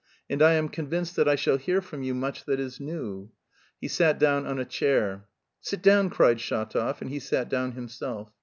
and I am convinced that I shall hear from you much that is new." He sat down on a chair. "Sit down!" cried Shatov, and he sat down himself.